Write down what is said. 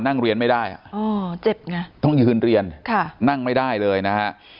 นั่งเรียนไม่ได้ต้องยืนเรียนนั่งไม่ได้เลยนะ